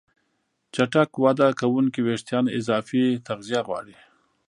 چټک وده کوونکي وېښتيان اضافي تغذیه غواړي.